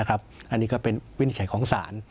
อันนี้ก็เป็นวินิจฉัยของศาล